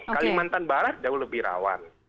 kalimantan barat jauh lebih rawan